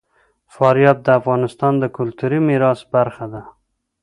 فاریاب د افغانستان د کلتوري میراث برخه ده.